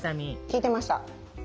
聞いてました。